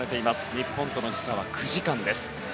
日本との時差は９時間です。